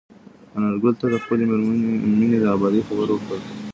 انارګل ته د خپلې مېنې د ابادۍ خبر ورکړل شو.